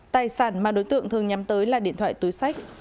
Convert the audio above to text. tài sản mà đối tượng thường nhắm tới là điện thoại túi sách